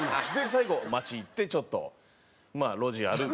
最後街行ってちょっと路地歩く。